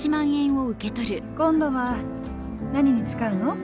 今度は何に使うの？